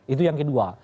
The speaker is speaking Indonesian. itu yang kedua